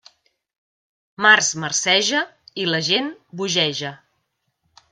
Març marceja... i la gent bogeja.